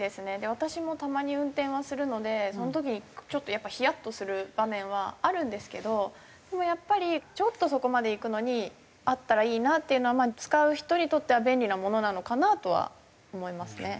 私もたまに運転はするのでその時にちょっとヒヤッとする場面はあるんですけどでもやっぱりちょっとそこまで行くのにあったらいいなっていうのは使う人にとっては便利なものなのかなとは思いますね。